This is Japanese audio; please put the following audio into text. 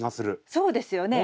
そうですよね。